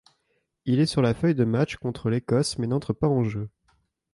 Il est sur la feuille de match contre l'Écosse mais n'entre pas en jeu.